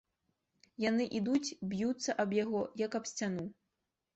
Яны ідуць, б'юцца аб яго, як аб сцяну.